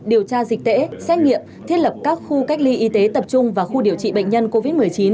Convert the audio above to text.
điều tra dịch tễ xét nghiệm thiết lập các khu cách ly y tế tập trung và khu điều trị bệnh nhân covid một mươi chín